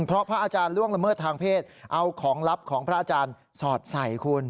เพราะพระอาจารย์ล่วงละเมิดทางเพศเอาของลับของพระอาจารย์สอดใส่คุณ